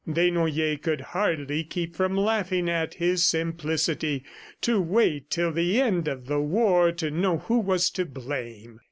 Desnoyers could hardly keep from laughing at his simplicity. To wait till the end of the war to know who was to blame!